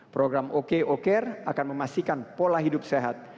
program ok okr akan memastikan pola hidup sehat